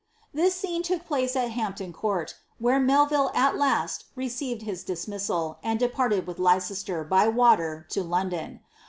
This scene took place at Hampton Court, where Melville at last received his dis inissaU and departed with Leicester, by water, to Liondon.